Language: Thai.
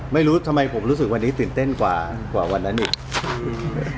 ไม่รู้ทำไมผมรู้สึกวันนี้ตื่นเต้นกว่ากว่าวันนั้นอีกอืม